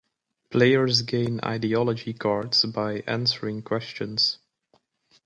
Players gain Ideology Cards by answering questions.